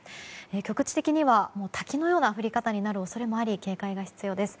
局地的には滝のような降り方をするところもあるので警戒が必要です。